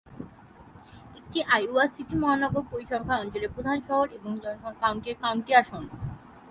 এটি Iowa City মহানগর পরিসংখ্যান অঞ্চলের প্রধান শহর এবং জনসন কাউন্টির কাউন্টি আসন।